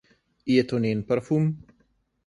Je to njen parfum?